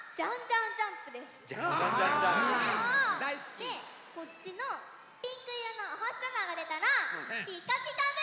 でこっちのピンクいろのおほしさまがでたら「ピカピカブ！」。